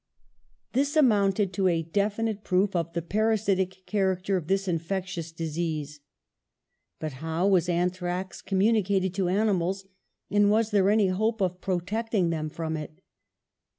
This amounted to a 126 PASTEUR definite proof of the parasitic character of this infectious disease. But how was anthrax communicated to ani mals, and was there any hope of protecting them from it?